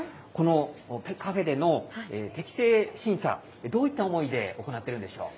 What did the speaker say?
このカフェでの適性審査、どういった思いで行っているんでし